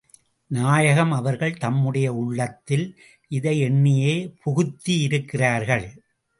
நாயகம் அவர்கள் தம்முடைய உள்ளத்தில் இதை எண்ணியே புகுத்தி இருக்கிறார்கள்.